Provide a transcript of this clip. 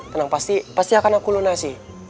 tenang pasti akan aku lunasi